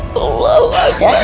ya allah makasih